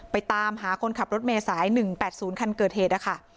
ไปตามหาคนขับรถเมตรสาย๑๘๐คันเกิดเหตุ